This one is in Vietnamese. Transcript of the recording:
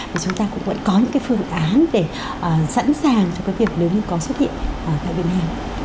và chúng ta cũng vẫn có những phương án để sẵn sàng cho việc nếu có xuất hiện tại việt nam